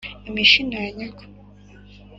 imishino ya nyoko..